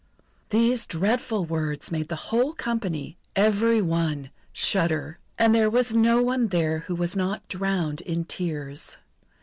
These dreadful words made the whole company every one shudder; and there was no one there who was not drowned in tears.